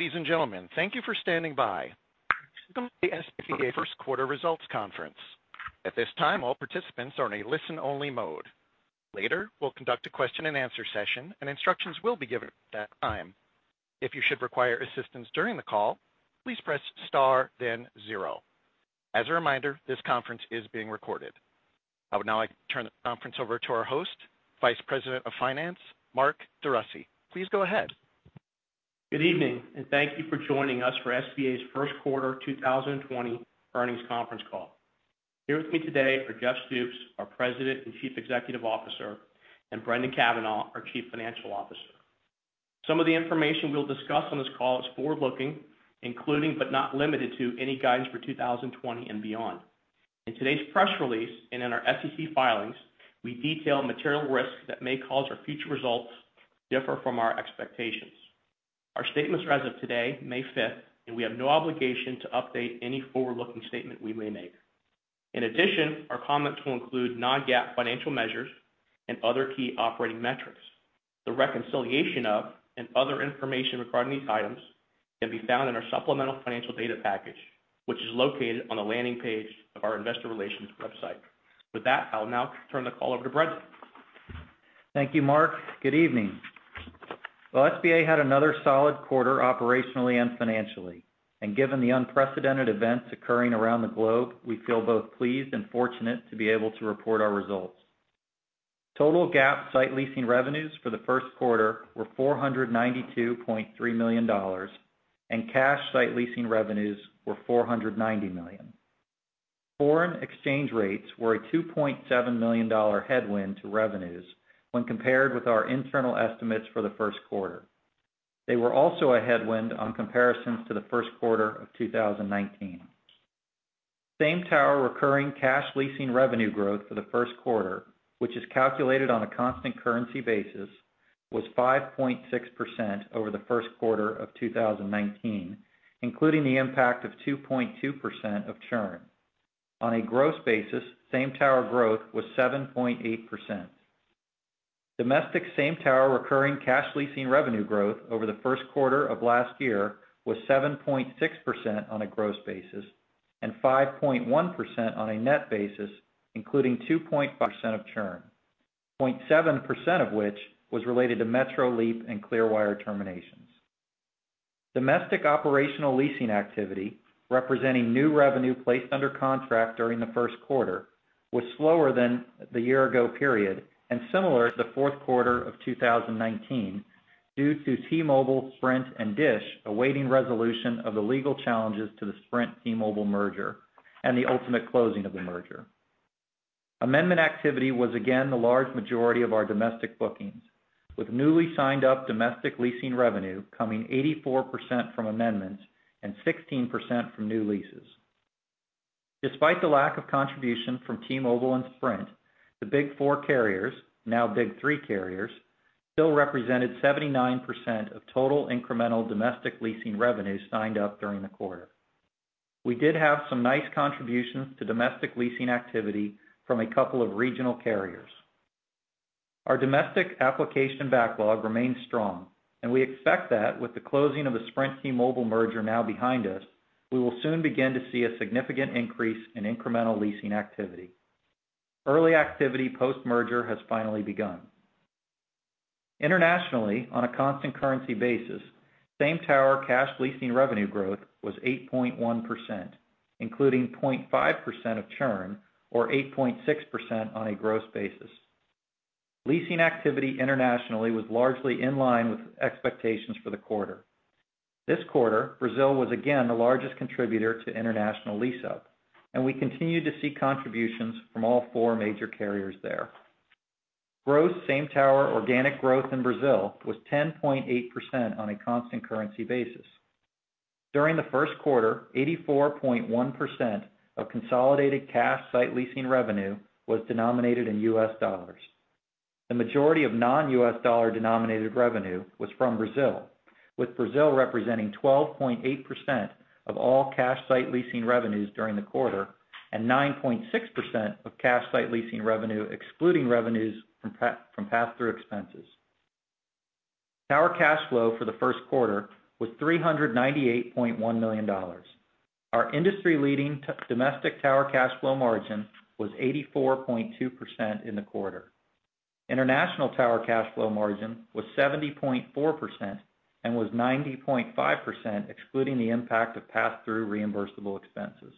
Ladies and gentlemen, thank you for standing by. This is the SBA first quarter results conference. At this time, all participants are in a listen-only mode. Later, we'll conduct a question-and-answer session, and instructions will be given at that time. If you should require assistance during the call, please press star, then zero. As a reminder, this conference is being recorded. I will now turn the conference over to our host, Vice President of Finance, Mark DeRussy. Please go ahead. Good evening, and thank you for joining us for SBA's first quarter 2020 earnings conference call. Here with me today are Jeff Stoops, our President and Chief Executive Officer, and Brendan Cavanagh, our Chief Financial Officer. Some of the information we'll discuss on this call is forward-looking, including but not limited to any guidance for 2020 and beyond. In today's press release and in our SEC filings, we detail material risks that may cause our future results to differ from our expectations. Our statements as of today may differ, and we have no obligation to update any forward-looking statement we may make. In addition, our comments will include non-GAAP financial measures and other key operating metrics. The reconciliation of and other information regarding these items can be found in our supplemental financial data package, which is located on the landing page of our investor relations website. With that, I will now turn the call over to Brendan. Thank you, Mark. Good evening. Well, SBA had another solid quarter operationally and financially, and given the unprecedented events occurring around the globe, we feel both pleased and fortunate to be able to report our results. Total GAAP site leasing revenues for the first quarter were $492.3 million, and cash site leasing revenues were $490 million. Foreign exchange rates were a $2.7 million headwind to revenues when compared with our internal estimates for the first quarter. They were also a headwind on comparisons to the first quarter of 2019. Same tower recurring cash leasing revenue growth for the first quarter, which is calculated on a constant currency basis, was 5.6% over the first quarter of 2019, including the impact of 2.2% of churn. On a gross basis, same tower growth was 7.8%. Domestic same-tower recurring cash leasing revenue growth over the first quarter of last year was 7.6% on a gross basis and 5.1% on a net basis, including 2.5% of churn, 0.7% of which was related to Metro and Leap and Clearwire terminations. Domestic operational leasing activity, representing new revenue placed under contract during the first quarter, was slower than the year-ago period and similar to the fourth quarter of 2019 due to T-Mobile, Sprint, and DISH awaiting resolution of the legal challenges to the Sprint-T-Mobile merger and the ultimate closing of the merger. Amendment activity was again the large majority of our domestic bookings, with newly signed-up domestic leasing revenue coming 84% from amendments and 16% from new leases. Despite the lack of contribution from T-Mobile and Sprint, the Big Four carriers, now Big Three carriers, still represented 79% of total incremental domestic leasing revenue signed up during the quarter. We did have some nice contributions to domestic leasing activity from a couple of regional carriers. Our domestic application backlog remains strong, and we expect that with the closing of the Sprint-T-Mobile merger now behind us, we will soon begin to see a significant increase in incremental leasing activity. Early activity post-merger has finally begun. Internationally, on a constant currency basis, same tower cash leasing revenue growth was 8.1%, including 0.5% of churn or 8.6% on a gross basis. Leasing activity internationally was largely in line with expectations for the quarter. This quarter, Brazil was again the largest contributor to international lease-up, and we continued to see contributions from all four major carriers there. Gross same tower organic growth in Brazil was 10.8% on a constant currency basis. During the first quarter, 84.1% of consolidated cash site leasing revenue was denominated in U.S. dollars. The majority of non-US dollar denominated revenue was from Brazil, with Brazil representing 12.8% of all cash site leasing revenues during the quarter and 9.6% of cash site leasing revenue excluding revenues from pass-through expenses. Tower cash flow for the first quarter was $398.1 million. Our industry-leading domestic tower cash flow margin was 84.2% in the quarter. International tower cash flow margin was 70.4% and was 90.5% excluding the impact of pass-through reimbursable expenses.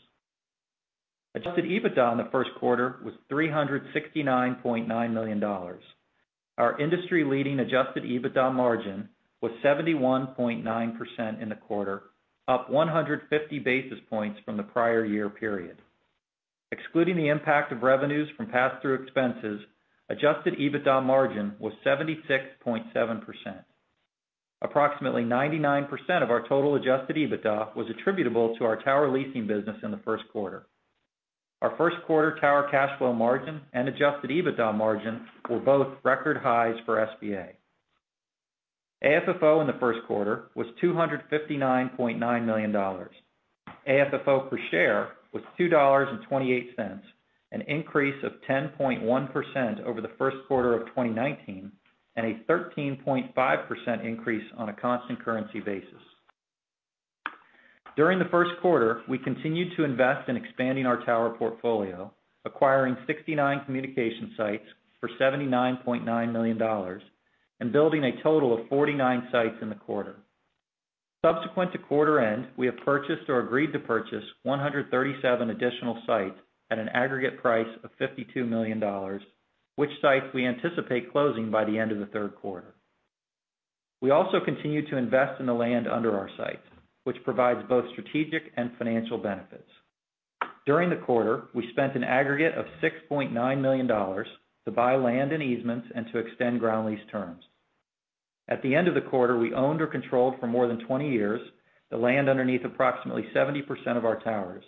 Adjusted EBITDA in the first quarter was $369.9 million. Our industry-leading Adjusted EBITDA margin was 71.9% in the quarter, up 150 basis points from the prior-year period. Excluding the impact of revenues from pass-through expenses, Adjusted EBITDA margin was 76.7%. Approximately 99% of our total Adjusted EBITDA was attributable to our tower leasing business in the first quarter. Our first quarter tower cash flow margin and adjusted EBITDA margin were both record highs for SBA. AFFO in the first quarter was $259.9 million. AFFO per share was $2.28, an increase of 10.1% over the first quarter of 2019 and a 13.5% increase on a constant currency basis. During the first quarter, we continued to invest in expanding our tower portfolio, acquiring 69 communication sites for $79.9 million and building a total of 49 sites in the quarter. Subsequent to quarter end, we have purchased or agreed to purchase 137 additional sites at an aggregate price of $52 million, which sites we anticipate closing by the end of the third quarter. We also continue to invest in the land under our sites, which provides both strategic and financial benefits. During the quarter, we spent an aggregate of $6.9 million to buy land and easements and to extend ground lease terms. At the end of the quarter, we owned or controlled for more than 20 years the land underneath approximately 70% of our towers,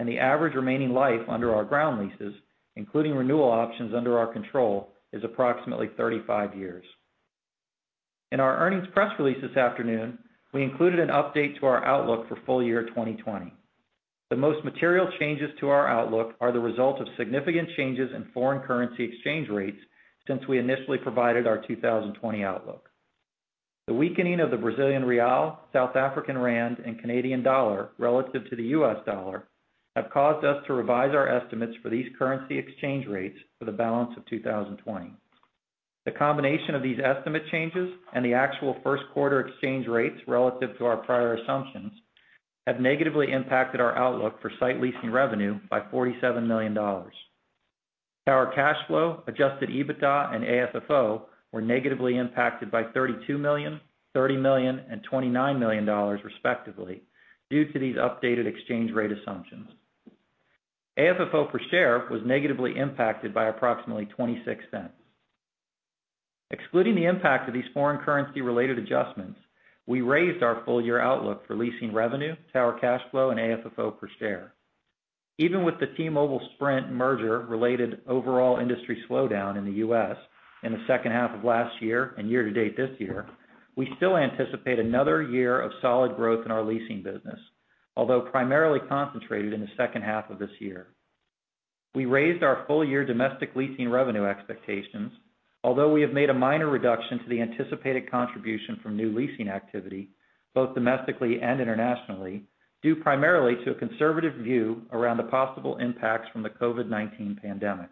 and the average remaining life under our ground leases, including renewal options under our control, is approximately 35 years. In our earnings press release this afternoon, we included an update to our outlook for full year 2020. The most material changes to our outlook are the result of significant changes in foreign currency exchange rates since we initially provided our 2020 outlook. The weakening of the Brazilian Real, South African Rand, and Canadian Dollar relative to the U.S. Dollar have caused us to revise our estimates for these currency exchange rates for the balance of 2020. The combination of these estimate changes and the actual first quarter exchange rates relative to our prior assumptions have negatively impacted our outlook for site leasing revenue by $47 million. Tower Cash Flow, Adjusted EBITDA, and AFFO were negatively impacted by $32 million, $30 million, and $29 million, respectively, due to these updated exchange rate assumptions. AFFO per share was negatively impacted by approximately $0.26. Excluding the impact of these foreign currency-related adjustments, we raised our full year outlook for leasing revenue, Tower Cash Flow, and AFFO per share. Even with the T-Mobile-Sprint merger-related overall industry slowdown in the U.S. in the second half of last year and year-to-date this year, we still anticipate another year of solid growth in our leasing business, although primarily concentrated in the second half of this year. We raised our full year domestic leasing revenue expectations, although we have made a minor reduction to the anticipated contribution from new leasing activity, both domestically and internationally, due primarily to a conservative view around the possible impacts from the COVID-19 pandemic.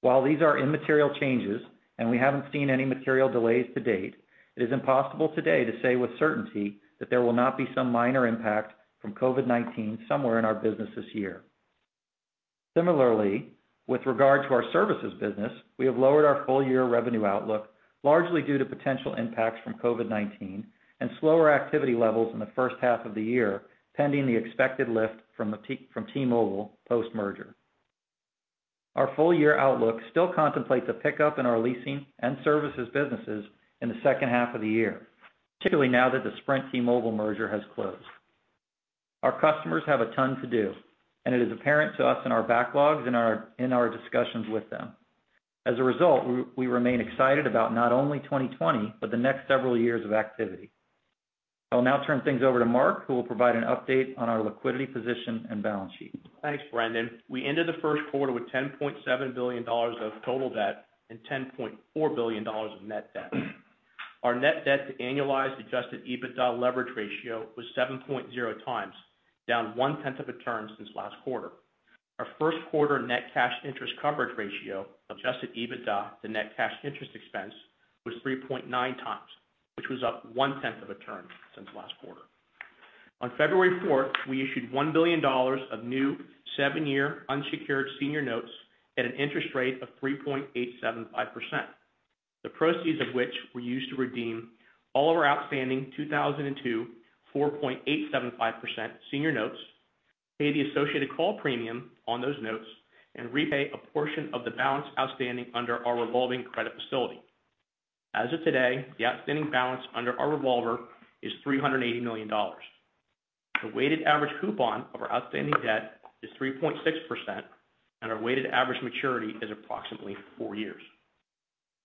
While these are immaterial changes and we haven't seen any material delays to date, it is impossible today to say with certainty that there will not be some minor impact from COVID-19 somewhere in our business this year. Similarly, with regard to our services business, we have lowered our full year revenue outlook largely due to potential impacts from COVID-19 and slower activity levels in the first half of the year pending the expected lift from T-Mobile post-merger. Our full year outlook still contemplates a pickup in our leasing and services businesses in the second half of the year, particularly now that the Sprint-T-Mobile merger has closed. Our customers have a ton to do, and it is apparent to us in our backlogs and in our discussions with them. As a result, we remain excited about not only 2020 but the next several years of activity. I'll now turn things over to Mark, who will provide an update on our liquidity position and balance sheet. Thanks, Brendan. We ended the first quarter with $10.7 billion of total debt and $10.4 billion of net debt. Our net debt to annualized Adjusted EBITDA leverage ratio was 7.0x, down one-tenth of a turn since last quarter. Our first quarter net cash interest coverage ratio of adjusted EBITDA to net cash interest expense was 3.9x, which was up one-tenth of a turn since last quarter. On February 4, we issued $1 billion of new seven-year unsecured senior notes at an interest rate of 3.875%, the proceeds of which were used to redeem all of our outstanding 2002 4.875% senior notes, pay the associated call premium on those notes, and repay a portion of the balance outstanding under our revolving credit facility. As of today, the outstanding balance under our revolver is $380 million. The weighted average coupon of our outstanding debt is 3.6%, and our weighted average maturity is approximately four years.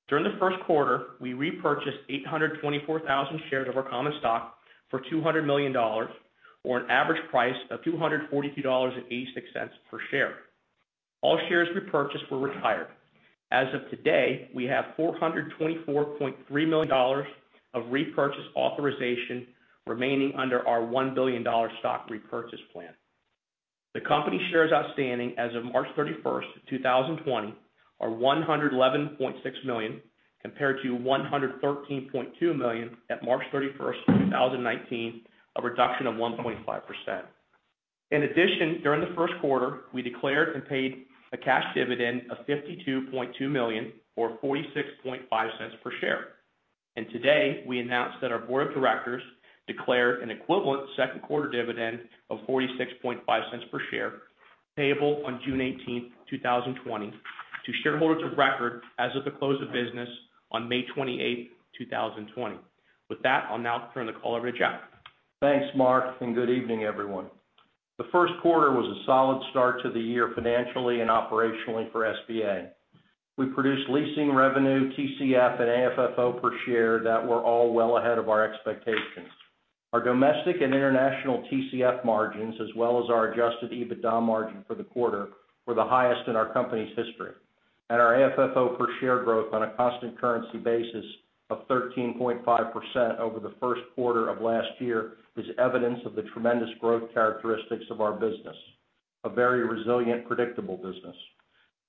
During the first quarter, we repurchased 824,000 shares of our common stock for $200 million, or an average price of $242.86 per share. All shares repurchased were retired. As of today, we have $424.3 million of repurchase authorization remaining under our $1 billion stock repurchase plan. The Company shares outstanding as of March 31, 2021, are 111.6 million, compared to 113.2 million at March 31, 2019, a reduction of 1.5%. In addition, during the first quarter, we declared and paid a cash dividend of $52.2 million or $46.50 per share. Today, we announced that our board of directors declared an equivalent second quarter dividend of $46.50 per share payable on June 18, 2020, to shareholders of record as of the close of business on May 28th, 2020. With that, I'll now turn the call over to Jeff. Thanks, Mark, and good evening, everyone. The first quarter was a solid start to the year financially and operationally for SBA. We produced leasing revenue, TCF, and AFFO per share that were all well ahead of our expectations. Our domestic and international TCF margins, as well as our Adjusted EBITDA margin for the quarter, were the highest in our company's history. And our AFFO per share growth on a constant currency basis of 13.5% over the first quarter of last year is evidence of the tremendous growth characteristics of our business, a very resilient, predictable business.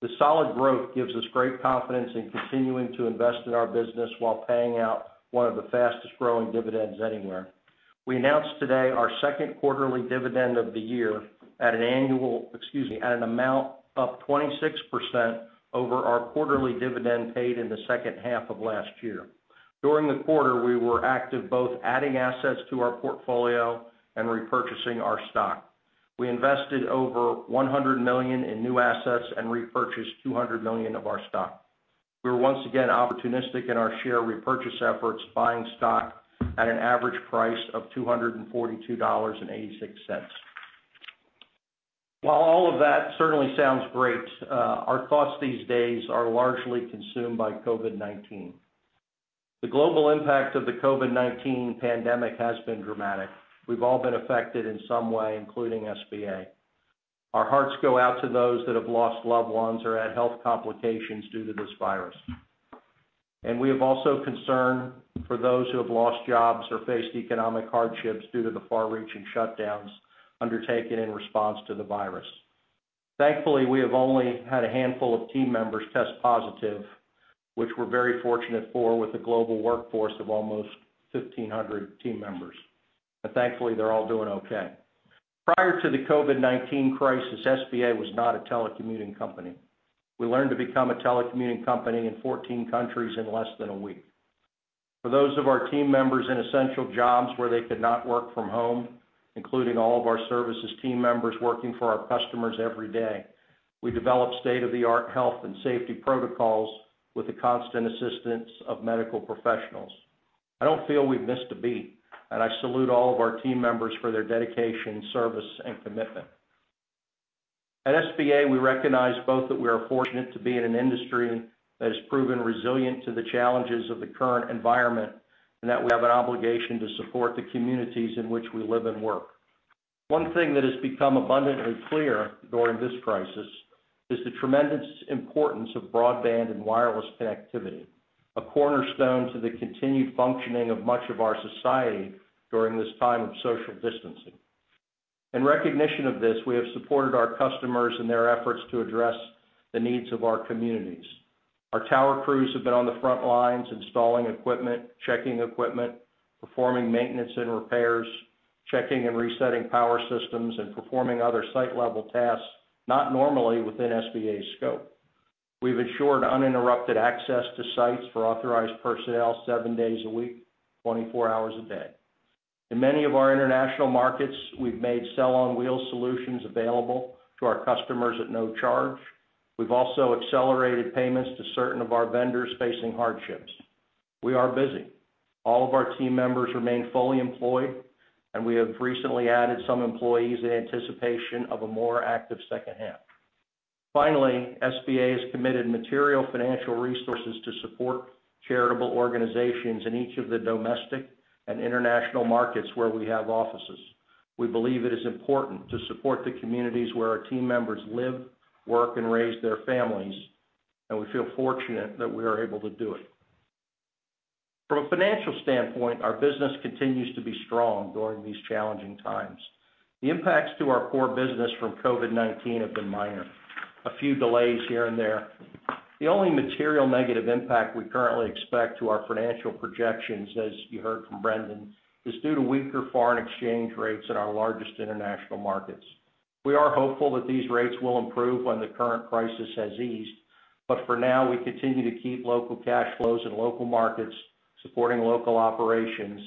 The solid growth gives us great confidence in continuing to invest in our business while paying out one of the fastest growing dividends anywhere. We announced today our second quarterly dividend of the year at an annual, excuse me, at an amount of 26% over our quarterly dividend paid in the second half of last year. During the quarter, we were active both adding assets to our portfolio and repurchasing our stock. We invested over $100 million in new assets and repurchased $200 million of our stock. We were once again opportunistic in our share repurchase efforts, buying stock at an average price of $242.86. While all of that certainly sounds great, our thoughts these days are largely consumed by COVID-19. The global impact of the COVID-19 pandemic has been dramatic. We've all been affected in some way, including SBA. Our hearts go out to those that have lost loved ones or had health complications due to this virus. We have also concern for those who have lost jobs or faced economic hardships due to the far-reaching shutdowns undertaken in response to the virus. Thankfully, we have only had a handful of team members test positive, which we're very fortunate for with a global workforce of almost 1,500 team members. And thankfully, they're all doing okay. Prior to the COVID-19 crisis, SBA was not a telecommuting company. We learned to become a telecommuting company in 14 countries in less than a week. For those of our team members in essential jobs where they could not work from home, including all of our services team members working for our customers every day, we developed state-of-the-art health and safety protocols with the constant assistance of medical professionals. I don't feel we've missed a beat, and I salute all of our team members for their dedication, service, and commitment. At SBA, we recognize both that we are fortunate to be in an industry that has proven resilient to the challenges of the current environment and that we have an obligation to support the communities in which we live and work. One thing that has become abundantly clear during this crisis is the tremendous importance of broadband and wireless connectivity, a cornerstone to the continued functioning of much of our society during this time of social distancing. In recognition of this, we have supported our customers in their efforts to address the needs of our communities. Our tower crews have been on the front lines installing equipment, checking equipment, performing maintenance and repairs, checking and resetting power systems, and performing other site-level tasks not normally within SBA's scope. We've ensured uninterrupted access to sites for authorized personnel 7 days a week, 24 hours a day. In many of our international markets, we've made cell-on-wheels solutions available to our customers at no charge. We've also accelerated payments to certain of our vendors facing hardships. We are busy. All of our team members remain fully employed, and we have recently added some employees in anticipation of a more active second half. Finally, SBA has committed material financial resources to support charitable organizations in each of the domestic and international markets where we have offices. We believe it is important to support the communities where our team members live, work, and raise their families, and we feel fortunate that we are able to do it. From a financial standpoint, our business continues to be strong during these challenging times. The impacts to our core business from COVID-19 have been minor, a few delays here and there. The only material negative impact we currently expect to our financial projections, as you heard from Brendan, is due to weaker foreign exchange rates in our largest international markets. We are hopeful that these rates will improve when the current crisis has eased, but for now, we continue to keep local cash flows in local markets, supporting local operations,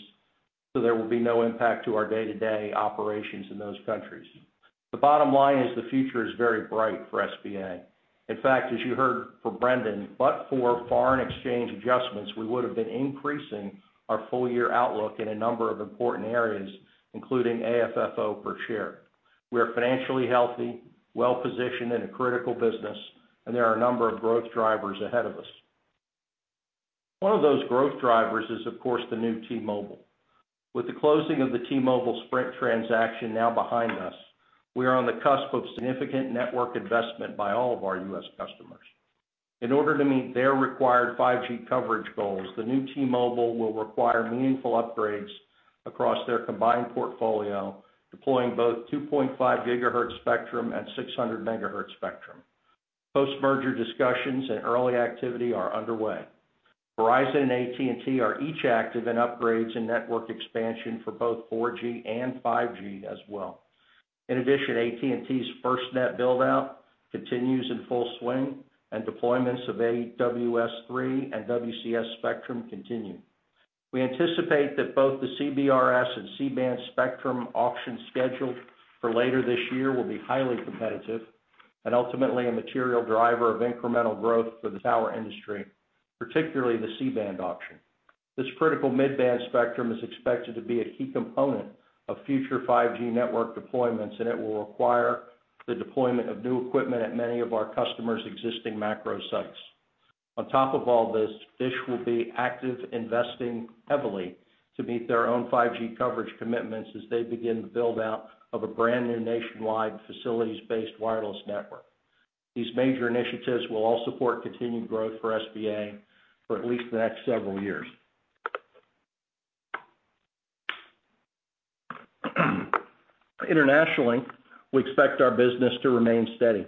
so there will be no impact to our day-to-day operations in those countries. The bottom line is the future is very bright for SBA. In fact, as you heard from Brendan, but for foreign exchange adjustments, we would have been increasing our full year outlook in a number of important areas, including AFFO per share. We are financially healthy, well-positioned in a critical business, and there are a number of growth drivers ahead of us. One of those growth drivers is, of course, the new T-Mobile. With the closing of the T-Mobile-Sprint transaction now behind us, we are on the cusp of significant network investment by all of our U.S. customers. In order to meet their required 5G coverage goals, the new T-Mobile will require meaningful upgrades across their combined portfolio, deploying both 2.5 GHz spectrum and 600 MHz spectrum. Post-merger discussions and early activity are underway. Verizon and AT&T are each active in upgrades and network expansion for both 4G and 5G as well. In addition, AT&T's FirstNet buildout continues in full swing, and deployments of AWS-3 and WCS spectrum continue. We anticipate that both the CBRS and C-Band spectrum auction scheduled for later this year will be highly competitive and ultimately a material driver of incremental growth for the tower industry, particularly the C-Band auction. This critical mid-band spectrum is expected to be a key component of future 5G network deployments, and it will require the deployment of new equipment at many of our customers' existing macro sites. On top of all this, DISH will be actively investing heavily to meet their own 5G coverage commitments as they begin the buildout of a brand new nationwide facilities-based wireless network. These major initiatives will all support continued growth for SBA for at least the next several years. Internationally, we expect our business to remain steady.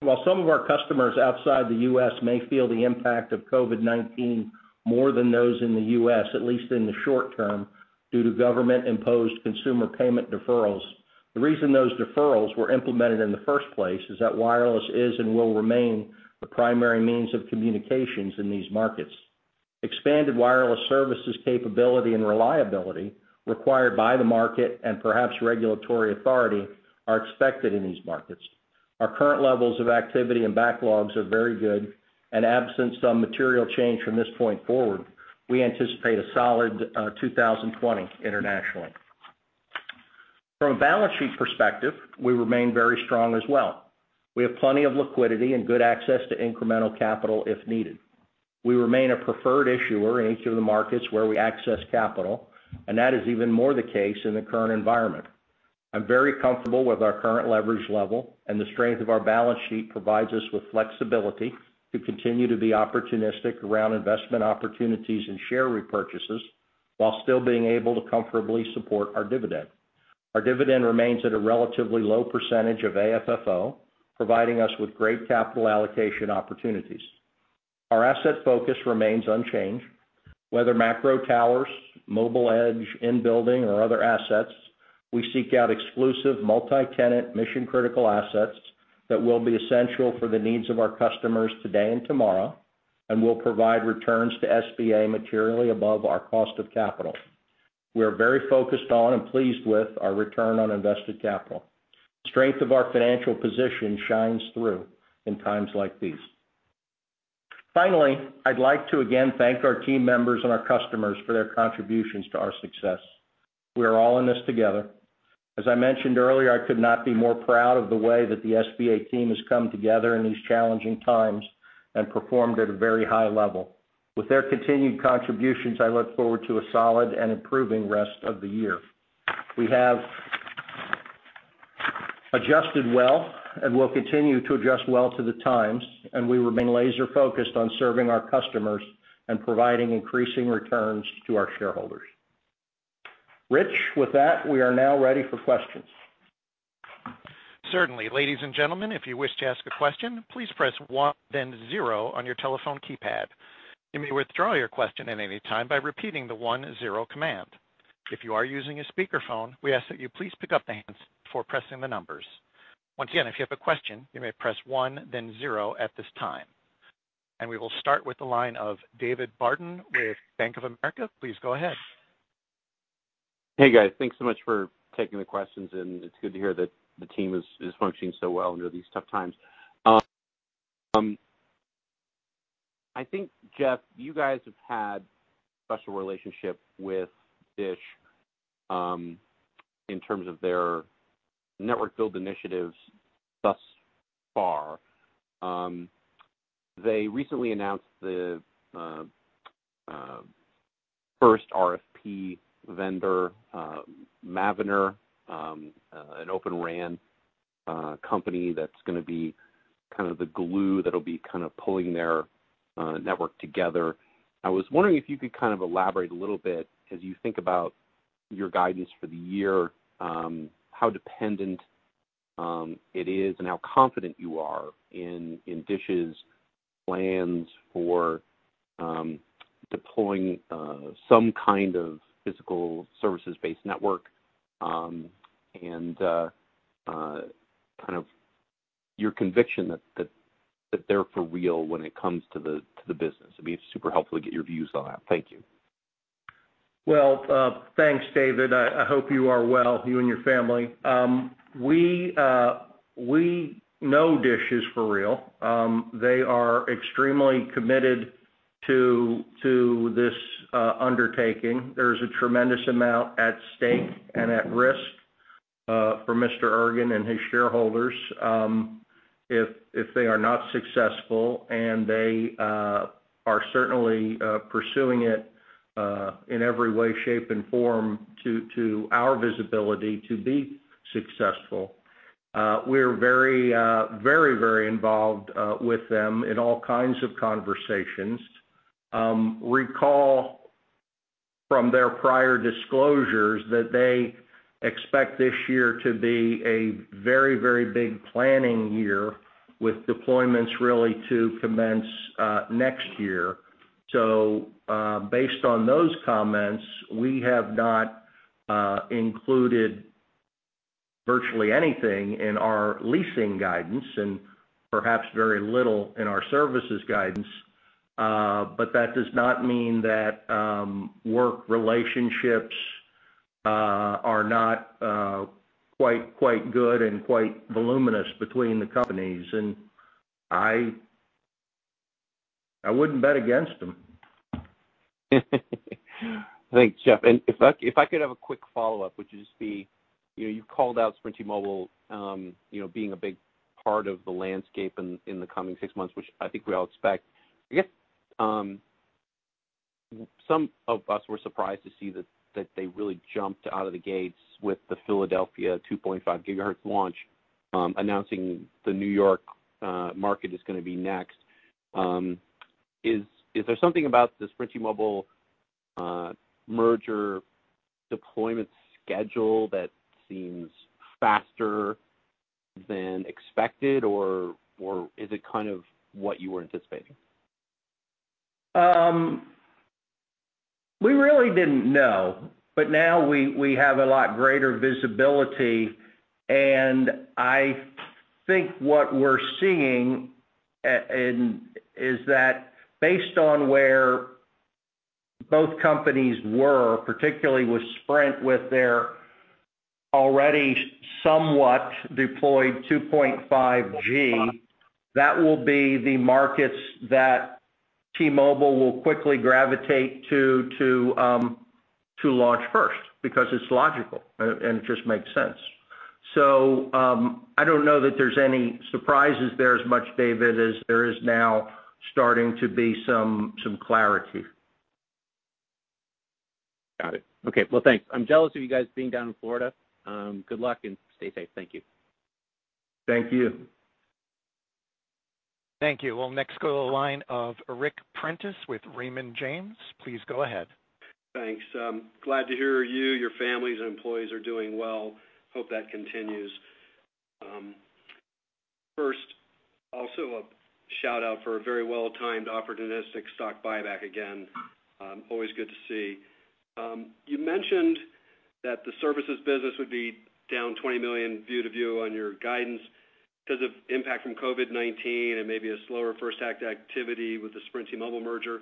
While some of our customers outside the U.S. may feel the impact of COVID-19 more than those in the U.S., at least in the short term, due to government-imposed consumer payment deferrals, the reason those deferrals were implemented in the first place is that wireless is and will remain the primary means of communications in these markets. Expanded wireless services capability and reliability required by the market and perhaps regulatory authority are expected in these markets. Our current levels of activity and backlogs are very good, and absent some material change from this point forward, we anticipate a solid 2020 internationally. From a balance sheet perspective, we remain very strong as well. We have plenty of liquidity and good access to incremental capital if needed. We remain a preferred issuer in each of the markets where we access capital, and that is even more the case in the current environment. I'm very comfortable with our current leverage level, and the strength of our balance sheet provides us with flexibility to continue to be opportunistic around investment opportunities and share repurchases while still being able to comfortably support our dividend. Our dividend remains at a relatively low percentage of AFFO, providing us with great capital allocation opportunities. Our asset focus remains unchanged. Whether macro towers, mobile edge, in-building, or other assets, we seek out exclusive multi-tenant mission-critical assets that will be essential for the needs of our customers today and tomorrow and will provide returns to SBA materially above our cost of capital. We are very focused on and pleased with our return on invested capital. The strength of our financial position shines through in times like these. Finally, I'd like to again thank our team members and our customers for their contributions to our success. We are all in this together. As I mentioned earlier, I could not be more proud of the way that the SBA team has come together in these challenging times and performed at a very high level. With their continued contributions, I look forward to a solid and improving rest of the year. We have adjusted well and will continue to adjust well to the times, and we remain laser-focused on serving our customers and providing increasing returns to our shareholders. Rich, with that, we are now ready for questions. Certainly. Ladies and gentlemen, if you wish to ask a question, please press one, then zero on your telephone keypad. You may withdraw your question at any time by repeating the one, zero command. If you are using a speakerphone, we ask that you please pick up the handset before pressing the numbers. Once again, if you have a question, you may press one, then zero at this time. We will start with the line of David Barden with Bank of America. Please go ahead. Hey, guys. Thanks so much for taking the questions, and it's good to hear that the team is functioning so well under these tough times. I think, Jeff, you guys have had a special relationship with DISH in terms of their network-build initiatives thus far. They recently announced the first RFP vendor, Mavenir, an Open RAN company that's going to be kind of the glue that'll be kind of pulling their network together. I was wondering if you could kind of elaborate a little bit as you think about your guidance for the year, how dependent it is and how confident you are in DISH's plans for deploying some kind of physical services-based network and kind of your conviction that they're for real when it comes to the business. It'd be super helpful to get your views on that. Thank you. Well, thanks, David. I hope you are well, you and your family. We know DISH is for real. They are extremely committed to this undertaking. There is a tremendous amount at stake and at risk for Mr. Ergen and his shareholders if they are not successful, and they are certainly pursuing it in every way, shape, and form to our visibility to be successful. We're very, very, very involved with them in all kinds of conversations. Recall from their prior disclosures that they expect this year to be a very, very big planning year with deployments really to commence next year. So based on those comments, we have not included virtually anything in our leasing guidance and perhaps very little in our services guidance, but that does not mean that work relationships are not quite good and quite voluminous between the companies, and I wouldn't bet against them. Thanks, Jeff. If I could have a quick follow-up, which would just be you've called out Sprint T-Mobile being a big part of the landscape in the coming six months, which I think we all expect. I guess some of us were surprised to see that they really jumped out of the gates with the Philadelphia 2.5 GHz launch, announcing the New York market is going to be next. Is there something about the Sprint T-Mobile merger deployment schedule that seems faster than expected, or is it kind of what you were anticipating? We really didn't know, but now we have a lot greater visibility, and I think what we're seeing is that based on where both companies were, particularly with Sprint with their already somewhat deployed 2.5 GHz, that will be the markets that T-Mobile will quickly gravitate to launch first because it's logical and it just makes sense. So I don't know that there's any surprises there as much, David, as there is now starting to be some clarity. Got it. Okay. Well, thanks. I'm jealous of you guys being down in Florida. Good luck and stay safe. Thank you. Thank you. Thank you. Well, next goes a line of Ric Prentiss with Raymond James. Please go ahead. Thanks. Glad to hear you, your families, and employees are doing well. Hope that continues. First, also a shout-out for a very well-timed opportunistic stock buyback again. Always good to see. You mentioned that the services business would be down $20 million year-to-year on your guidance because of impact from COVID-19 and maybe a slower first half activity with the Sprint-T-Mobile merger.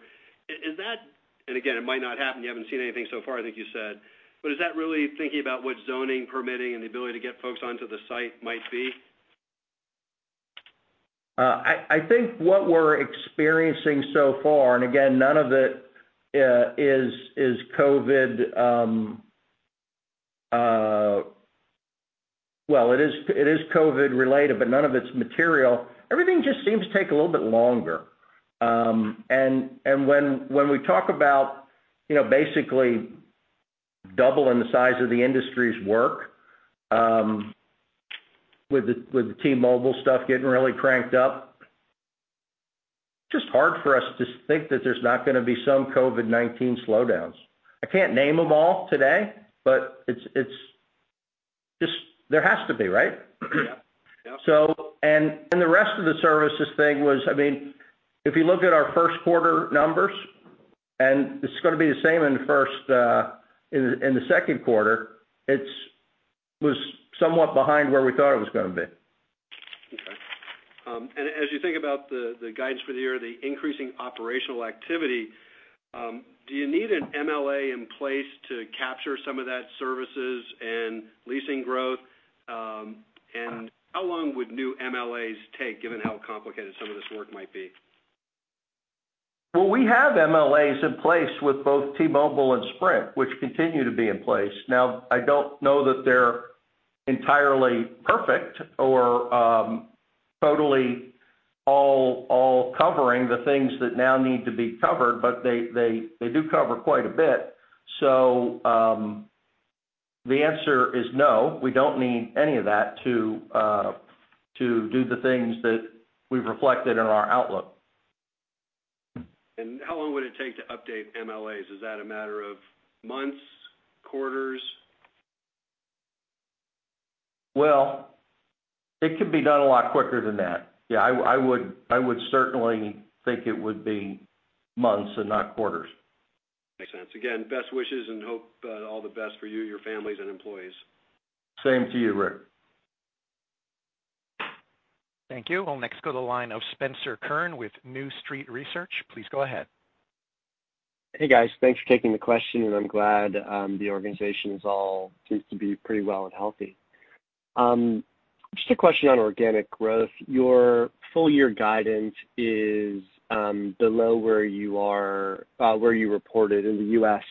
And again, it might not happen. You haven't seen anything so far, I think you said, but is that really thinking about what zoning, permitting, and the ability to get folks onto the site might be? I think what we're experiencing so far, and again, none of it is COVID, well, it is COVID-related, but none of it's material. Everything just seems to take a little bit longer. And when we talk about basically doubling the size of the industry's work with the T-Mobile stuff getting really cranked up, it's just hard for us to think that there's not going to be some COVID-19 slowdowns. I can't name them all today, but there has to be, right? Yeah. Yeah. The rest of the services thing was, I mean, if you look at our first-quarter numbers, and it's going to be the same in the second quarter, it was somewhat behind where we thought it was going to be. Okay. And as you think about the guidance for the year, the increasing operational activity, do you need an MLA in place to capture some of that services and leasing growth? And how long would new MLAs take, given how complicated some of this work might be? Well, we have MLAs in place with both T-Mobile and Sprint, which continue to be in place. Now, I don't know that they're entirely perfect or totally all covering the things that now need to be covered, but they do cover quite a bit. So the answer is no. We don't need any of that to do the things that we've reflected in our outlook. How long would it take to update MLAs? Is that a matter of months, quarters? Well, it could be done a lot quicker than that. Yeah, I would certainly think it would be months and not quarters. Makes sense. Again, best wishes and hope all the best for you, your families, and employees. Same to you, Ric. Thank you. Well, next goes a line of Spencer Kurn with New Street Research. Please go ahead. Hey, guys. Thanks for taking the question, and I'm glad the organization seems to be pretty well and healthy. Just a question on organic growth. Your full-year guidance is below where you reported in the U.S.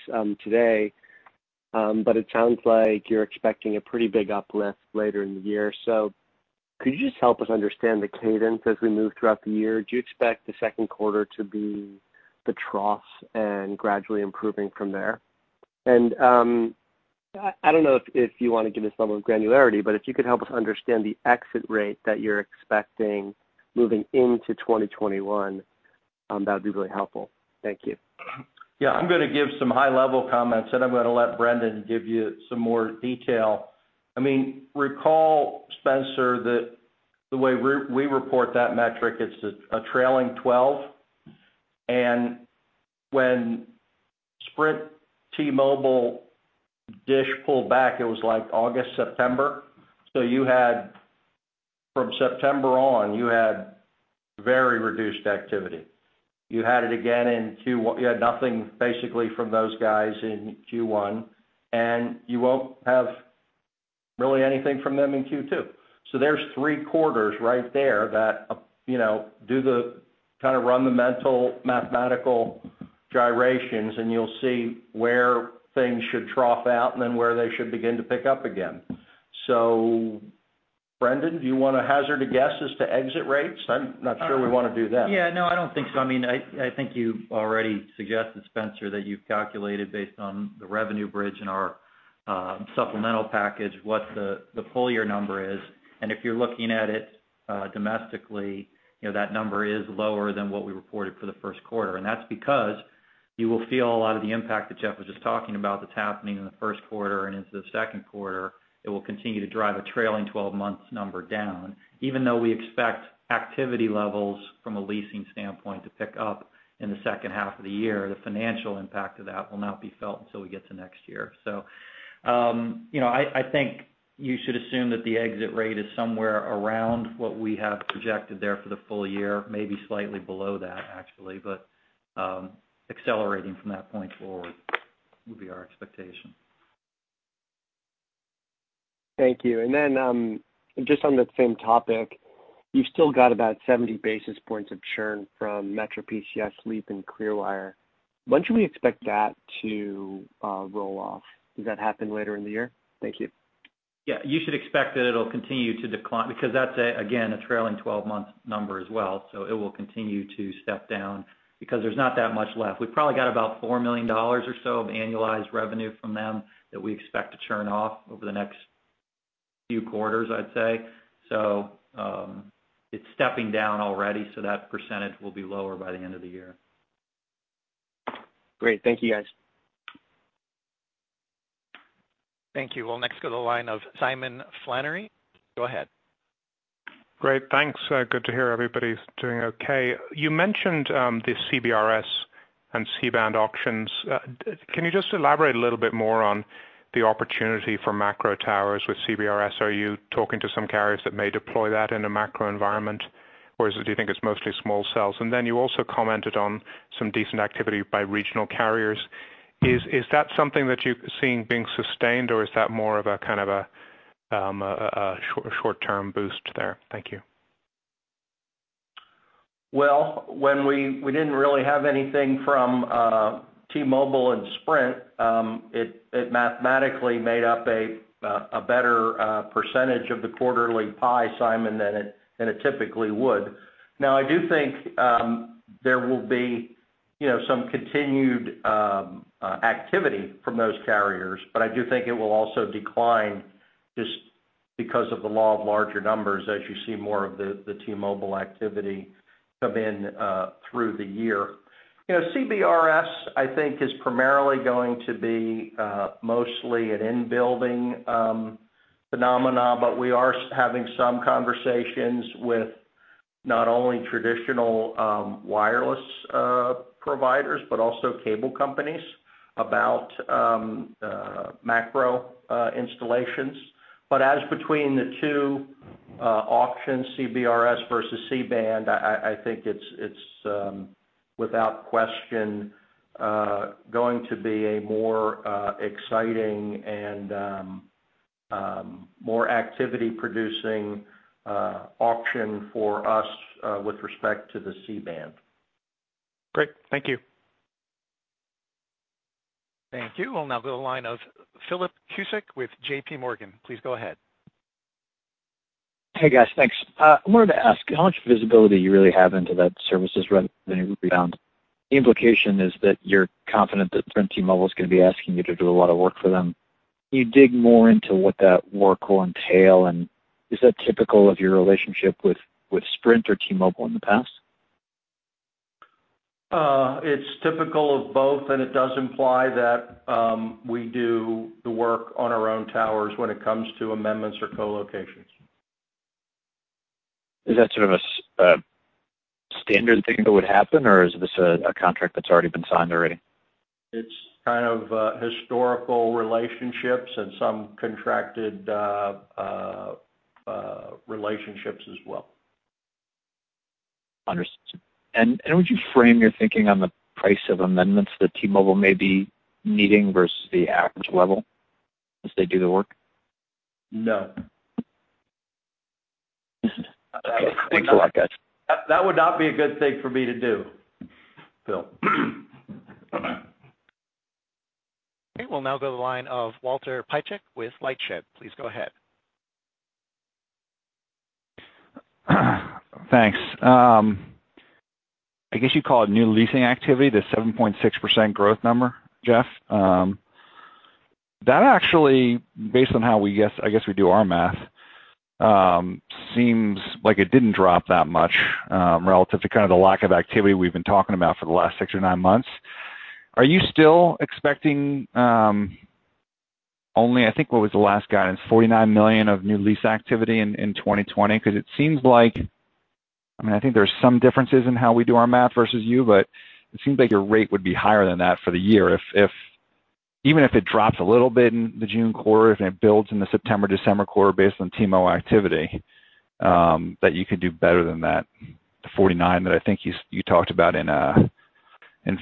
today, but it sounds like you're expecting a pretty big uplift later in the year. So could you just help us understand the cadence as we move throughout the year? Do you expect the second quarter to be the trough and gradually improving from there? And I don't know if you want to give us a level of granularity, but if you could help us understand the exit rate that you're expecting moving into 2021, that would be really helpful. Thank you. Yeah. I'm going to give some high-level comments, and I'm going to let Brendan give you some more detail. I mean, recall, Spencer, that the way we report that metric, it's a trailing 12, and when Sprint, T-Mobile, DISH pulled back, it was like August, September. So from September on, you had very reduced activity. You had it again in Q1. You had nothing basically from those guys in Q1, and you won't have really anything from them in Q2. So there's three quarters right there that do the kind of run the mental mathematical gyrations, and you'll see where things should trough out and then where they should begin to pick up again. So Brendan, do you want to hazard a guess as to exit rates? I'm not sure we want to do that. Yeah. No, I don't think so. I mean, I think you've already suggested, Spencer, that you've calculated based on the revenue bridge and our supplemental package what the full-year number is. And if you're looking at it domestically, that number is lower than what we reported for the first quarter. And that's because you will feel a lot of the impact that Jeff was just talking about that's happening in the first quarter, and into the second quarter, it will continue to drive a trailing 12-month number down. Even though we expect activity levels from a leasing standpoint to pick up in the second half of the year, the financial impact of that will not be felt until we get to next year. I think you should assume that the exit rate is somewhere around what we have projected there for the full year, maybe slightly below that, actually, but accelerating from that point forward would be our expectation. Thank you. And then just on that same topic, you've still got about 70 basis points of churn from MetroPCS, Leap, and Clearwire. When should we expect that to roll off? Does that happen later in the year? Thank you. Yeah. You should expect that it'll continue to decline because that's, again, a trailing 12-month number as well. So it will continue to step down because there's not that much left. We've probably got about $4 million or so of annualized revenue from them that we expect to churn off over the next few quarters, I'd say. So it's stepping down already, so that percentage will be lower by the end of the year. Great. Thank you, guys. Thank you. Well, next goes a line of Simon Flannery. Go ahead. Great. Thanks. Good to hear everybody's doing okay. You mentioned the CBRS and C-Band auctions. Can you just elaborate a little bit more on the opportunity for macro towers with CBRS? Are you talking to some carriers that may deploy that in a macro environment, or do you think it's mostly small cells? And then you also commented on some decent activity by regional carriers. Is that something that you're seeing being sustained, or is that more of a kind of a short-term boost there? Thank you. Well, when we didn't really have anything from T-Mobile and Sprint, it mathematically made up a better percentage of the quarterly pie, Simon, than it typically would. Now, I do think there will be some continued activity from those carriers, but I do think it will also decline just because of the law of larger numbers as you see more of the T-Mobile activity come in through the year. CBRS, I think, is primarily going to be mostly an in-building phenomenon, but we are having some conversations with not only traditional wireless providers but also cable companies about macro installations. But as between the two auctions, CBRS versus C-Band, I think it's without question going to be a more exciting and more activity-producing auction for us with respect to the C-Band. Great. Thank you. Thank you. Well, now goes a line of Philip Cusick with JPMorgan. Please go ahead. Hey, guys. Thanks. I wanted to ask how much visibility you really have into that services revenue rebound. The implication is that you're confident that Sprint T-Mobile is going to be asking you to do a lot of work for them. Can you dig more into what that work will entail, and is that typical of your relationship with Sprint or T-Mobile in the past? It's typical of both, and it does imply that we do the work on our own towers when it comes to amendments or co-locations. Is that sort of a standard thing that would happen, or is this a contract that's already been signed already? It's kind of historical relationships and some contracted relationships as well. Understood. Would you frame your thinking on the price of amendments that T-Mobile may be needing versus the average level as they do the work? No. Thanks a lot, guys. That would not be a good thing for me to do, Phil. Okay. Well, now we go to the line of Walter Piecyk with LightShed. Please go ahead. Thanks. I guess you call it new leasing activity, the 7.6% growth number, Jeff. That actually, based on how we guess, I guess we do our math, seems like it didn't drop that much relative to kind of the lack of activity we've been talking about for the last six or nine months. Are you still expecting only, I think what was the last guidance, $49 million of new lease activity in 2020? Because it seems like, I mean, I think there's some differences in how we do our math versus you, but it seems like your rate would be higher than that for the year. Even if it drops a little bit in the June quarter and it builds in the September, December quarter based on T-Mobile activity, that you could do better than that, the $49 million that I think you talked about in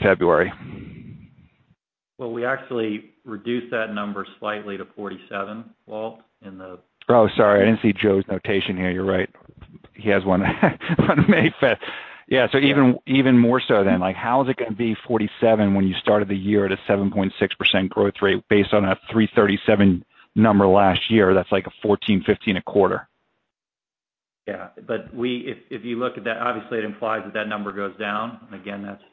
February. Well, we actually reduced that number slightly to $47 million, Walt, in the. Oh, sorry. I didn't see Joe's notation here. You're right. He has one on May 5th. Yeah. So even more so then, how is it going to be $47 million when you started the year at a 7.6% growth rate based on a 337 number last year? That's like a 14, 15 a quarter. Yeah. But if you look at that, obviously, it implies that that number goes down. Again, that's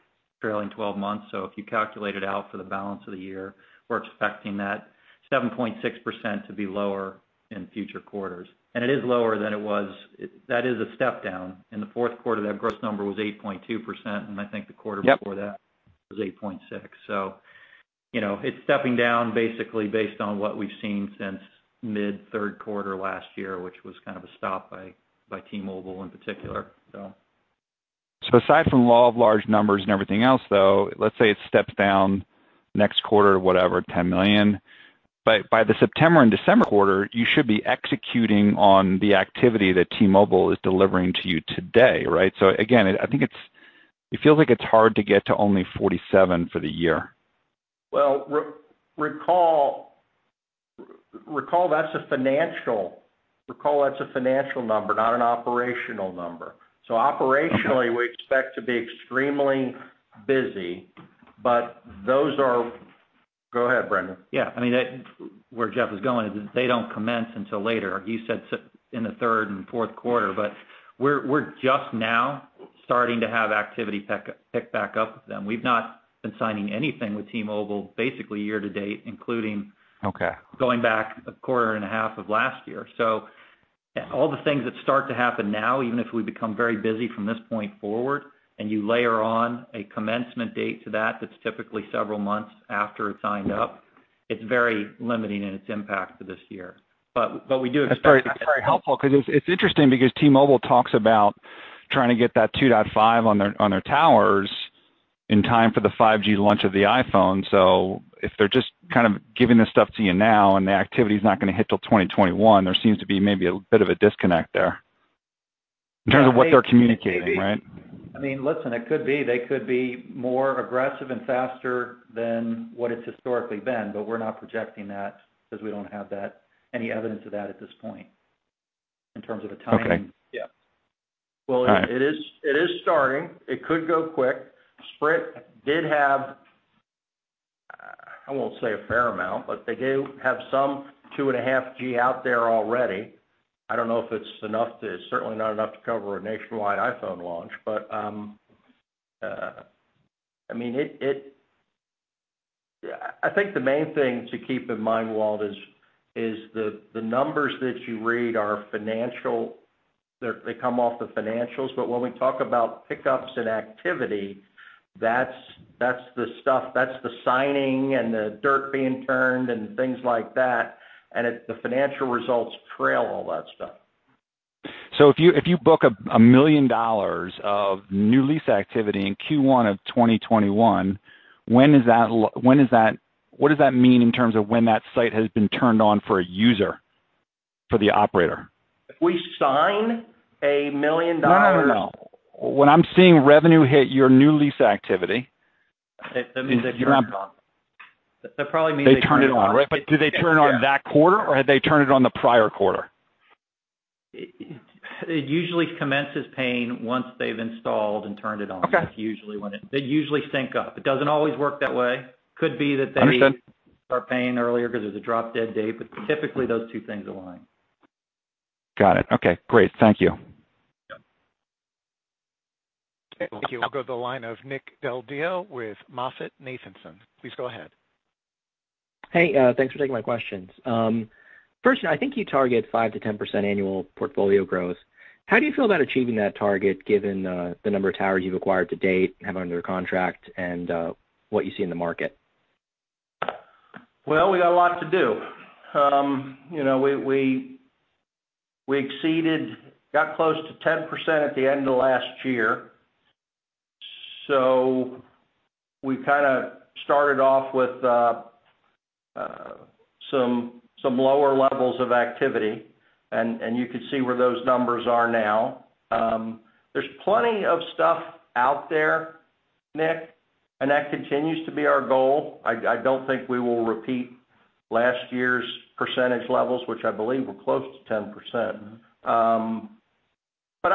trailing 12 months. So if you calculate it out for the balance of the year, we're expecting that 7.6% to be lower in future quarters. And it is lower than it was. That is a step down. In the fourth quarter, that gross number was 8.2%, and I think the quarter before that was 8.6%. So it's stepping down basically based on what we've seen since mid-third quarter last year, which was kind of a stop by T-Mobile in particular, so. So aside from law of large numbers and everything else, though, let's say it steps down next quarter to whatever, $10 million. But by the September and December quarter, you should be executing on the activity that T-Mobile is delivering to you today, right? So again, I think it feels like it's hard to get to only $47 million for the year. Well, recall that's a financial number, not an operational number. So operationally, we expect to be extremely busy, but those are. Go ahead, Brendan. Yeah. I mean, where Jeff was going is that they don't commence until later. You said in the third and fourth quarter, but we're just now starting to have activity pick back up with them. We've not been signing anything with T-Mobile basically year to date, including going back a quarter and a half of last year. So all the things that start to happen now, even if we become very busy from this point forward, and you layer on a commencement date to that that's typically several months after it's signed up, it's very limiting in its impact for this year. But we do expect. That's very helpful because it's interesting because T-Mobile talks about trying to get that 2.5GHz on their towers in time for the 5G launch of the iPhone. So if they're just kind of giving this stuff to you now and the activity is not going to hit till 2021, there seems to be maybe a bit of a disconnect there in terms of what they're communicating, right? I mean, listen, it could be. They could be more aggressive and faster than what it's historically been, but we're not projecting that because we don't have any evidence of that at this point in terms of a timing. Yeah. Well, it is starting. It could go quick. Sprint did have, I won't say a fair amount, but they do have some 2.5 GHz out there already. I don't know if it's enough to, it's certainly not enough to cover a nationwide iPhone launch. But I mean, I think the main thing to keep in mind, Walt, is the numbers that you read are financial. They come off the financials. But when we talk about pickups and activity, that's the stuff. That's the signing and the dirt being turned and things like that. And the financial results trail all that stuff. So if you book $1 million of new lease activity in Q1 of 2021, when is that, what does that mean in terms of when that site has been turned on for a user, for the operator? If we sign $1 million. No, no, no. When I'm seeing revenue hit your new lease activity. That means they turn it on. They turn it on, right? But do they turn on that quarter, or had they turned it on the prior-quarter? It usually commences paying once they've installed and turned it on. That's usually when it, they usually sync up. It doesn't always work that way. Could be that they start paying earlier because there's a drop-dead date. But typically, those two things align. Got it. Okay. Great. Thank you. Thank you. We'll go to the line of Nick Del Deo with MoffettNathanson. Please go ahead. Hey. Thanks for taking my questions. First, I think you target 5%-10% annual portfolio growth. How do you feel about achieving that target given the number of towers you've acquired to date and have under contract and what you see in the market? Well, we got a lot to do. We exceeded, got close to 10% at the end of last year. So we kind of started off with some lower levels of activity, and you could see where those numbers are now. There's plenty of stuff out there, Nick, and that continues to be our goal. I don't think we will repeat last year's percentage levels, which I believe were close to 10%. But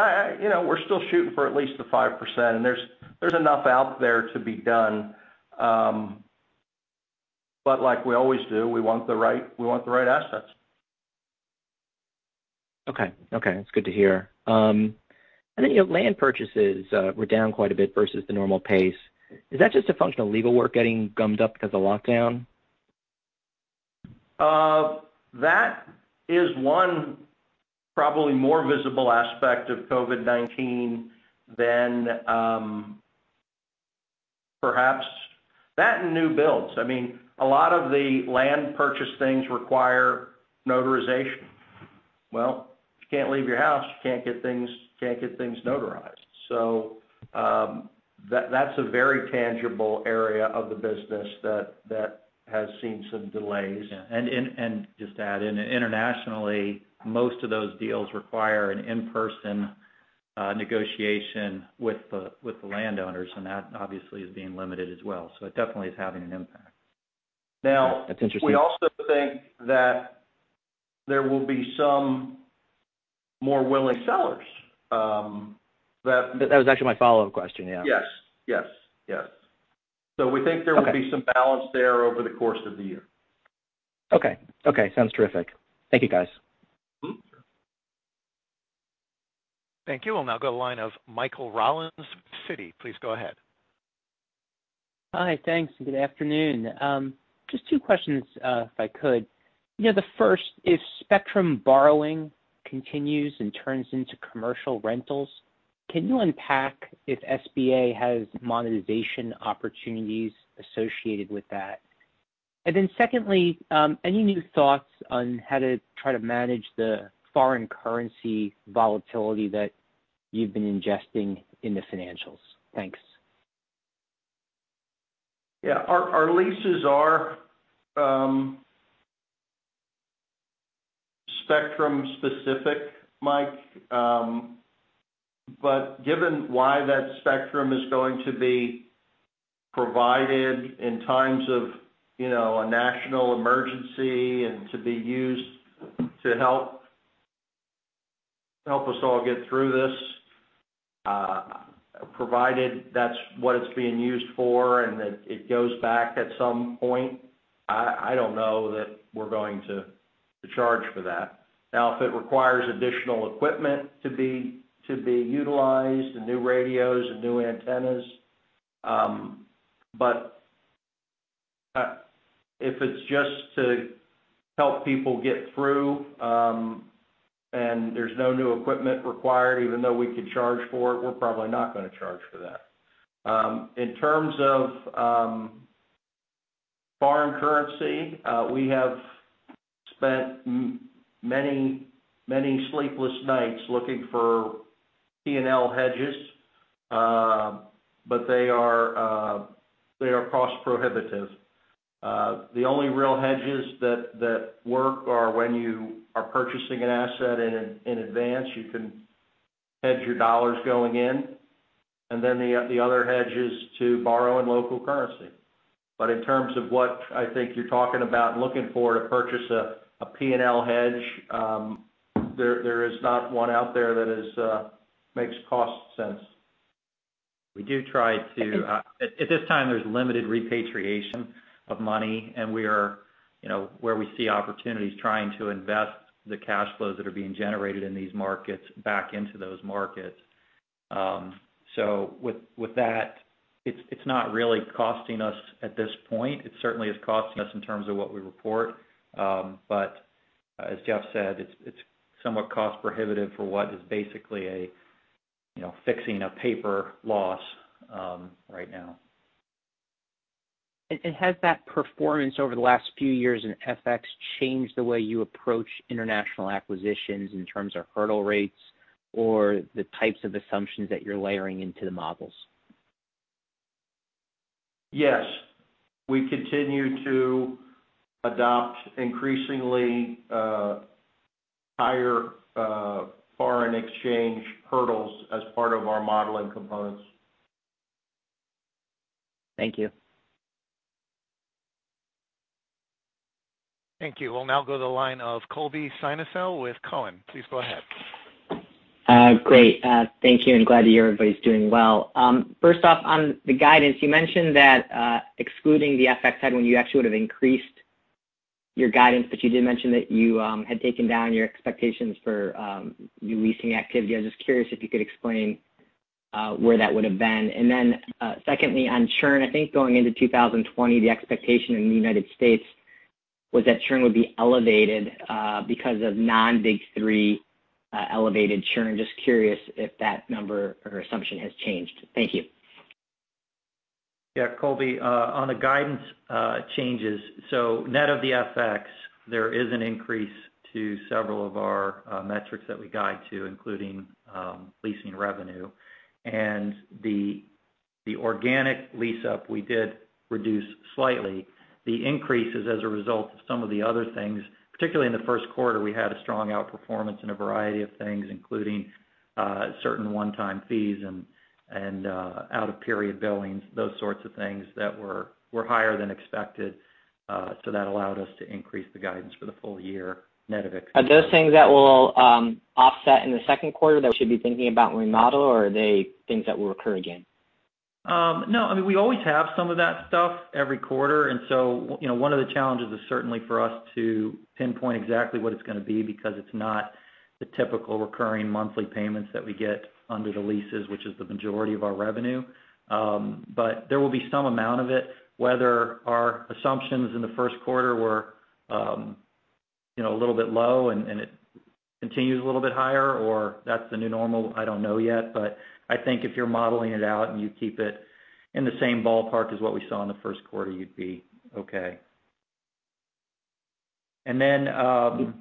we're still shooting for at least the 5%, and there's enough out there to be done. But like we always do, we want the right assets. Okay. Okay. That's good to hear. Then your land purchases were down quite a bit versus the normal pace. Is that just a function of legal work getting gummed up because of lockdown? That is one probably more visible aspect of COVID-19 than perhaps that and new builds. I mean, a lot of the land purchase things require notarization. Well, you can't leave your house. You can't get things notarized. So that's a very tangible area of the business that has seen some delays. Yeah. And just to add in, internationally, most of those deals require an in-person negotiation with the landowners, and that obviously is being limited as well. So it definitely is having an impact. Now. That's interesting. We also think that there will be some more willing sellers that. That was actually my follow-up question. Yeah. Yes. Yes. Yes. So we think there will be some balance there over the course of the year. Okay. Okay. Sounds terrific. Thank you, guys. Thank you. We'll now go to the line of Michael Rollins, Citi. Please go ahead. Hi. Thanks. And good afternoon. Just two questions if I could. The first is spectrum borrowing continues and turns into commercial rentals. Can you unpack if SBA has monetization opportunities associated with that? And then secondly, any new thoughts on how to try to manage the foreign currency volatility that you've been ingesting in the financials? Thanks. Yeah. Our leases are spectrum-specific, Mike. But given why that spectrum is going to be provided in times of a national emergency and to be used to help us all get through this, provided that's what it's being used for and that it goes back at some point, I don't know that we're going to charge for that. Now, if it requires additional equipment to be utilized, the new radios and new antennas. But if it's just to help people get through and there's no new equipment required, even though we could charge for it, we're probably not going to charge for that. In terms of foreign currency, we have spent many sleepless nights looking for P&L hedges, but they are cost-prohibitive. The only real hedges that work are when you are purchasing an asset in advance. You can hedge your dollars going in, and then the other hedge is to borrow in local currency. But in terms of what I think you're talking about and looking for to purchase a P&L hedge, there is not one out there that makes cost sense. We do try to. At this time, there's limited repatriation of money, and we are where we see opportunities trying to invest the cash flows that are being generated in these markets back into those markets. So with that, it's not really costing us at this point. It certainly is costing us in terms of what we report. But as Jeff said, it's somewhat cost-prohibitive for what is basically fixing a paper loss right now. Has that performance over the last few years in FX changed the way you approach international acquisitions in terms of hurdle rates or the types of assumptions that you're layering into the models? Yes. We continue to adopt increasingly higher foreign exchange hurdles as part of our modeling components. Thank you. Thank you. We'll now go to the line of Colby Synesael with Cowen. Please go ahead. Great. Thank you. I'm glad to hear everybody's doing well. First off, on the guidance, you mentioned that excluding the FX head when you actually would have increased your guidance, but you did mention that you had taken down your expectations for new leasing activity. I'm just curious if you could explain where that would have been. And then secondly, on churn, I think going into 2020, the expectation in the United States was that churn would be elevated because of non-Big Three elevated churn. Just curious if that number or assumption has changed. Thank you. Yeah. Colby, on the guidance changes, so net of the FX, there is an increase to several of our metrics that we guide to, including leasing revenue. And the organic lease-up, we did reduce slightly. The increase is as a result of some of the other things. Particularly in the first quarter, we had a strong outperformance in a variety of things, including certain one-time fees and out-of-period billings, those sorts of things that were higher than expected. So that allowed us to increase the guidance for the full year net of exclusions. Are those things that will offset in the second quarter that we should be thinking about when we model? Or are they things that will recur again? No. I mean, we always have some of that stuff every quarter. So one of the challenges is certainly for us to pinpoint exactly what it's going to be because it's not the typical recurring monthly payments that we get under the leases, which is the majority of our revenue. But there will be some amount of it. Whether our assumptions in the first quarter were a little bit low and it continues a little bit higher or that's the new normal, I don't know yet. But I think if you're modeling it out and you keep it in the same ballpark as what we saw in the first quarter, you'd be okay. And then on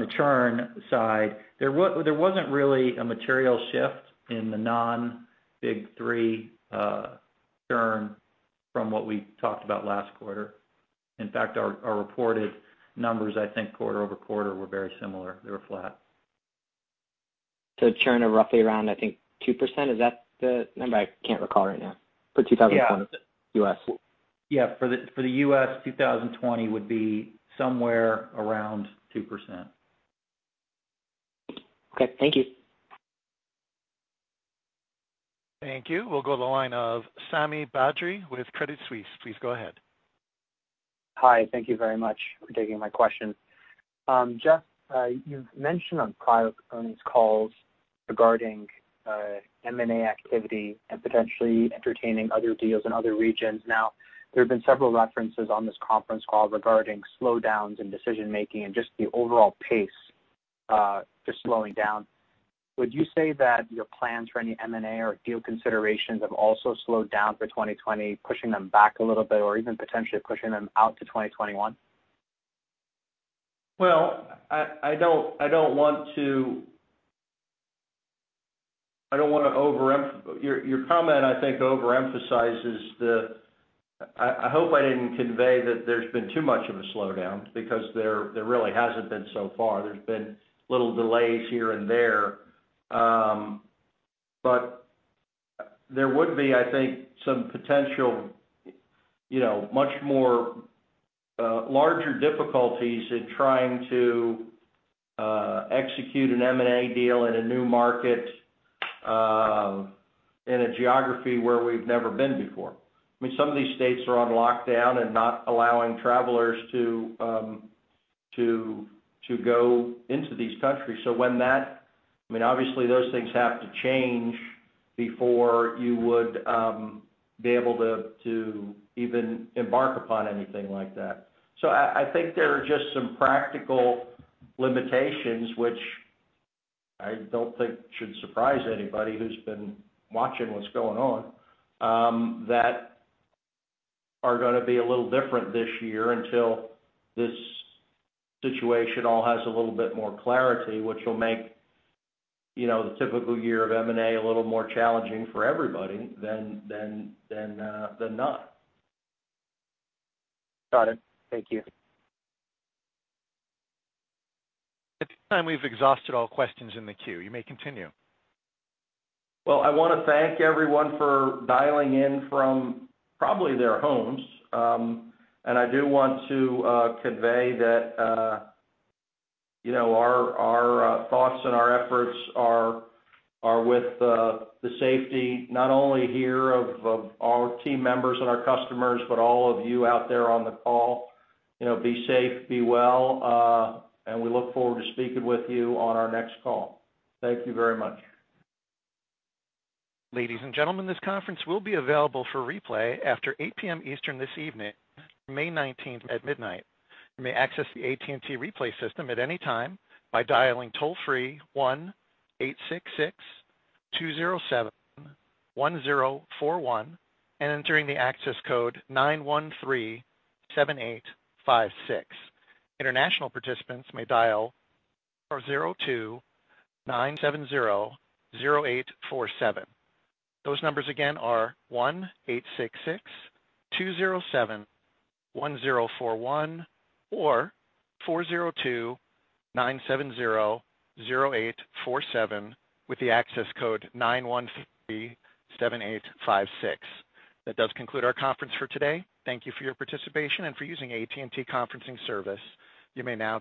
the churn side, there wasn't really a material shift in the non-Big Three churn from what we talked about last quarter. In fact, our reported numbers, I think quarter-over-quarter, were very similar. They were flat. So churn of roughly around, I think, 2%? Is that the number? I can't recall right now for 2020 U.S. Yeah. For the U.S., 2020 would be somewhere around 2%. Okay. Thank you. Thank you. We'll go to the line of Sami Badri with Credit Suisse. Please go ahead. Hi. Thank you very much for taking my question. Jeff, you've mentioned on prior earnings calls regarding M&A activity and potentially entertaining other deals in other regions. Now, there have been several references on this conference call regarding slowdowns in decision-making and just the overall pace just slowing down. Would you say that your plans for any M&A or deal considerations have also slowed down for 2020, pushing them back a little bit or even potentially pushing them out to 2021? Well, I don't want to, I don't want to overemphasize your comment. I think overemphasizes the. I hope I didn't convey that there's been too much of a slowdown because there really hasn't been so far. There's been little delays here and there. But there would be, I think, some potential much more larger difficulties in trying to execute an M&A deal in a new market in a geography where we've never been before. I mean, some of these states are on lockdown and not allowing travelers to go into these countries. So when that, I mean, obviously, those things have to change before you would be able to even embark upon anything like that. I think there are just some practical limitations, which I don't think should surprise anybody who's been watching what's going on, that are going to be a little different this year until this situation all has a little bit more clarity, which will make the typical year of M&A a little more challenging for everybody than not. Got it. Thank you. At this time, we've exhausted all questions in the queue. You may continue. Well, I want to thank everyone for dialing in from probably their homes. I do want to convey that our thoughts and our efforts are with the safety, not only here of our team members and our customers, but all of you out there on the call. Be safe. Be well. We look forward to speaking with you on our next call. Thank you very much. Ladies and gentlemen, this conference will be available for replay after 8:00 P.M. Eastern this evening, May 19th at midnight. You may access the AT&T replay system at any time by dialing toll-free 1-866-207-1041 and entering the access code 9137856. International participants may dial 029700847. Those numbers again are 1-866-207-1041 or 4029700847 with the access code 9137856. That does conclude our conference for today. Thank you for your participation and for using AT&T conferencing service. You may now.